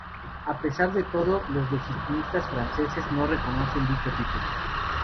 A pesar de todo, los legitimistas franceses no reconocen dicho título.